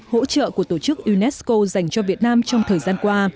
hỗ trợ của tổ chức unesco dành cho việt nam trong thời gian qua